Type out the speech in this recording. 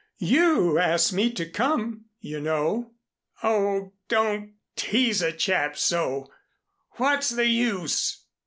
You asked me to come, you know." "Oh, don't tease a chap so. What's the use?